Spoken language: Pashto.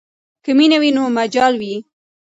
که مینه وي نو مجال وي.